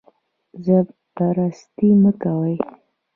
ژب پرستي مه کوئ